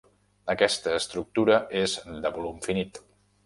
Aquesta estructura és de volum finit.